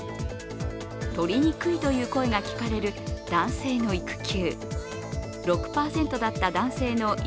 取りにくいという声が聞こえる男性の育休。